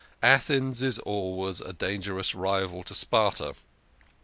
Athens is always a dangerous rival to Sparta.